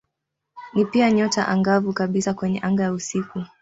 Ni pia nyota angavu kabisa kwenye anga ya usiku.